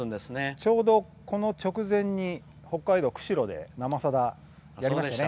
ちょうど、この直前に北海道の釧路で「生さだ」やりましたね。